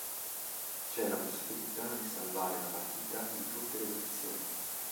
C'è la possibilità di salvare la partita in tutte le versioni.